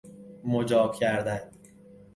مجاب کردن